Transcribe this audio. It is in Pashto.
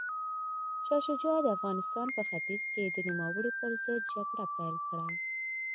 شاه شجاع د افغانستان په ختیځ کې د نوموړي پر ضد جګړه پیل کړه.